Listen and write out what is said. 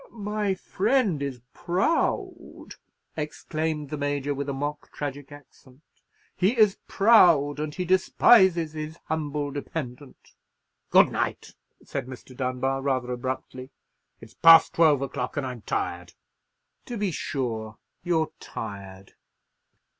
"My friend is proud," exclaimed the Major, with a mock tragic accent; "he is proud, and he despises his humble dependant." "Good night," said Mr. Dunbar, rather abruptly; "it's past twelve o'clock, and I'm tired." "To be sure. You're tired.